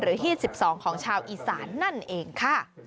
หรือที่๑๒ของชาวอีสานนั่นเองค่ะ